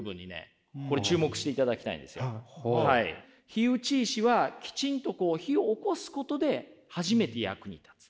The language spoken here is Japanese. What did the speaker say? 火打ち石はきちんとこう火をおこすことで初めて役に立つ。